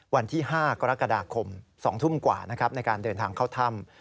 วันที่๕กรกฎาคม๒ทุ่มกว่านะครับในการเดินทางเข้าถ้ำ